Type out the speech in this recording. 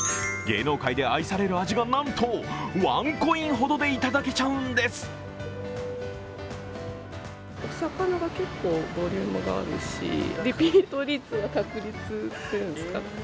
芸能界で愛される味がなんとワンコインほどでいただけちゃうんです。